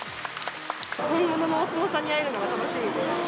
本物のお相撲さんに会えるのが楽しみです。